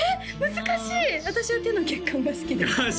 難しい私は手の血管が好きですああ